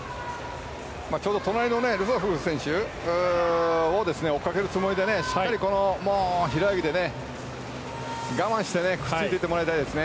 隣のルドルフ選手を追いかけるつもりでしっかり、平泳ぎで我慢してくっついていってもらいたいですね。